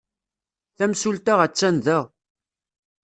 Tamsulta attan da.